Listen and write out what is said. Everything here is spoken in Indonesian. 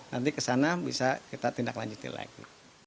nanti kesana bisa kita tindak lanjuti lagi